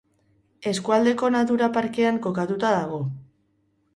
Eskualdeko Natura Parkean kokatuta dago.